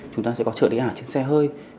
chúng ta sẽ có trợ lý ảo trên xe hơi